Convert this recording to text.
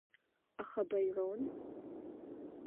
Аха Баирон?